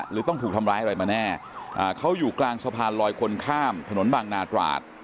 หรือต้องถูกทำร้ายอะไรมาแน่อ่าเขาอยู่กลางสะพานลอยคนข้ามถนนบางนาตราด